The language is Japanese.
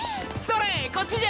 それこっちじゃ！